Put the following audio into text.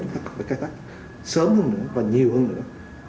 chúng ta cần phải cài tác sớm hơn nữa và nhiều hơn nữa